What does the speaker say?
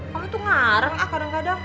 kamu tuh ngarang ah kadang kadang